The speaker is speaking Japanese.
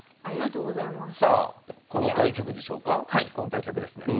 この対局ですね。